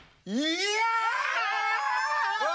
いや！